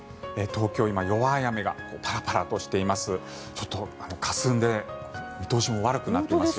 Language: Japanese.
東京、今、弱い雨がパラパラとしています。